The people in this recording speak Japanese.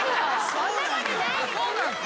そんなことないです。